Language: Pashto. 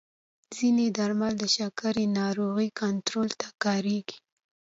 ځینې درمل د شکر ناروغۍ کنټرول ته کارېږي.